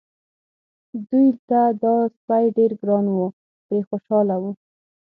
دوی ته دا سپی ډېر ګران و پرې خوشاله وو.